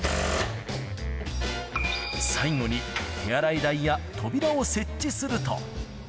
最後に手洗い台や扉を設置すると。